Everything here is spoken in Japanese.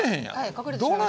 隠れてしまいました。